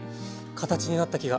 形になった気が。